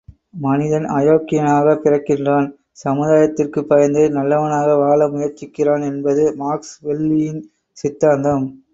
மனிதன் அயோக்கியனாகப் பிறக்கின்றான் சமுதாயத்திற்குப் பயந்தே நல்லவனாக வாழ முயற்சிக்கிறான் என்பது மாக்ஸ் வெல்லியின் சித்தாந்தம்.